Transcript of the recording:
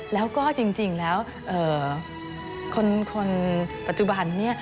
แล้วก็จริงแล้วคนปัจจุบันนี้